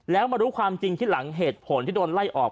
แล้วมารู้ความจริงที่หลังเหตุผลที่โดนไล่ออก